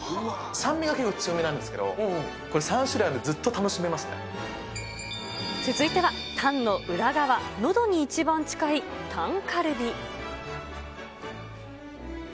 酸味が結構強めなんですけど、３種類あるんで、ずっと楽しめま続いてはタンの裏側、のどに一番近いタンカルビ。